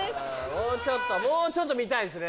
もうちょっともうちょっと見たいですね。